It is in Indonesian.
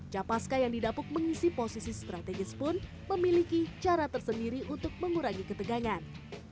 capaska yang didapuk mengisi posisi strategis pun memiliki cara tersendiri untuk mengurangi ketegangan